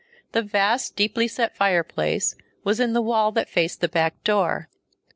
The vast, deeply set fireplace was in the wall that faced the back door.